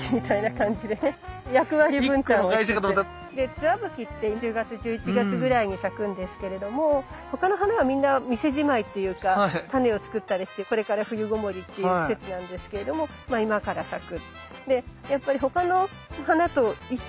ツワブキって１０月１１月ぐらいに咲くんですけれども他の花はみんな店じまいっていうかタネを作ったりしてこれから冬ごもりっていう季節なんですけれどもまあ今から咲く。